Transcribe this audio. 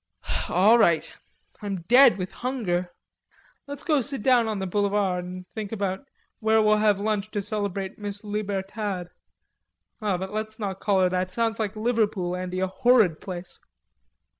"All right. I'm dead with hunger." "Let's sit down on the Boulevard and think about where we'll have lunch to celebrate Miss Libertad.... But let's not call her that, sounds like Liverpool, Andy, a horrid place."